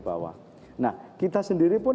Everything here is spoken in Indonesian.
bawah nah kita sendiri pun